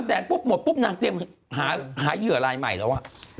แสนปุ๊บหมดปุ๊บนางเตรียมหาเหยื่อลายใหม่แล้ว